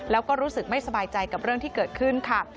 แล้วก็รู้สึกไม่สบายใจกับเรื่องที่เกิดขึ้นค่ะ